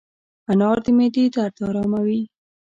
انار د معدې درد اراموي.